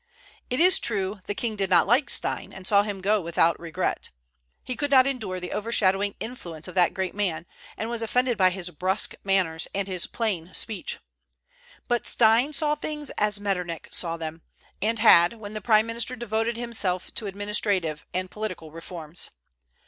It is true the king did not like Stein, and saw him go without regret. He could not endure the overshadowing influence of that great man, and was offended by his brusque manners and his plain speech. But Stein saw things as Metternich saw them, and had when prime minister devoted himself to administrative and political reforms.